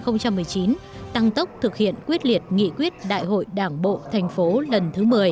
năm hai nghìn một mươi chín tăng tốc thực hiện quyết liệt nghị quyết đại hội đảng bộ thành phố lần thứ một mươi